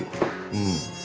うん。